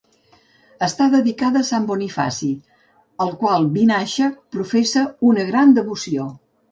Està dedicada a Sant Bonifaci, al qual Vinaixa professa una gran devoció.